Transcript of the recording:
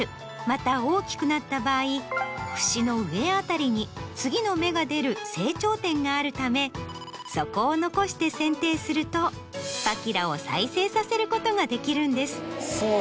また大きくなった場合ふしの上辺りに次の芽が出る成長点があるためそこを残して剪定するとパキラを再生させることができるんです。